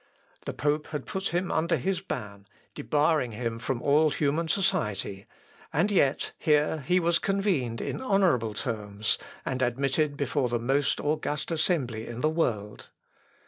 The pope had put him under his ban, debarring him from all human society, and yet here he was convened in honourable terms, and admitted before the most august assembly in the world.